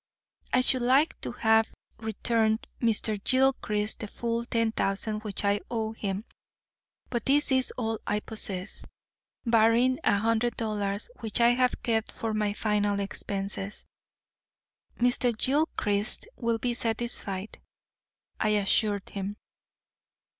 I should like to have returned Mr. Gilchrist the full ten thousand which I owe him, but this is all I possess, barring a hundred dollars which I have kept for my final expenses.' 'Mr. Gilchrist will be satisfied,' I assured him.